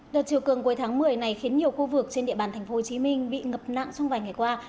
đợt chiều cường cuối tháng một mươi này khiến nhiều khu vực trên địa bàn tp hcm bị ngập nặng trong vài ngày qua